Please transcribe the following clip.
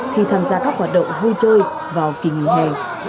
khi tham gia các hoạt động vui chơi vào kỳ nghỉ hè